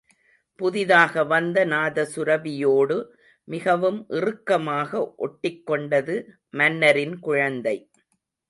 புதிதாக வந்த நாதசுரபியோடு மிகவும் இறுக்கமாக ஒட்டிக் கொண்டது மன்னரின் குழந்தை.